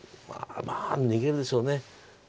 まあ逃げるでしょう。